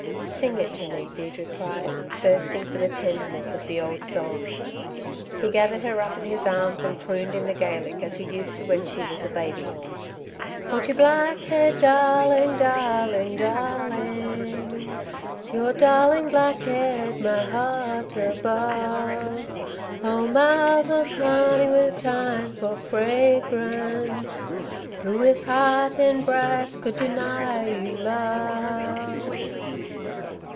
"Sing it to me," Deirdre cried, thirsting for the tenderness of the old song. He gathered her up in his arms and crooned in the Gaelic as he used to when she was a baby: "Put your black head, darling, darling, darling. Your darling black head my heart above. O mouth of honey, with thyme for fragrance. Who, with heart in breast, could deny you love?"